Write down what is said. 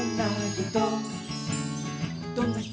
「どんな人？」